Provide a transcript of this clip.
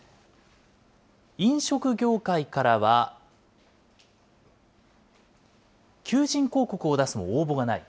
飲食業界からは、求人広告を出すも応募がない。